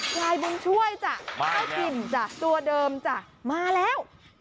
ลายบุญช่วยจ้ะเจ้าถิ่นจ้ะตัวเดิมจ้ะมาแล้ว